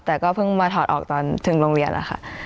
แต่ก็เพิ่งมาถอดออกตอนถึงโรงเรียนนะคะ